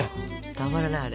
たまらないあれ。